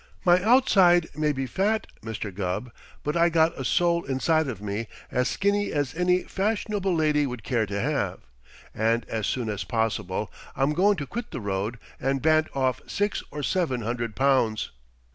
My outside may be fat, Mr. Gubb, but I got a soul inside of me as skinny as any fash'nable lady would care to have, and as soon as possible I'm goin' to quit the road and bant off six or seven hundred pounds.